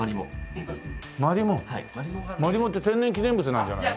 マリモって天然記念物なんじゃないの？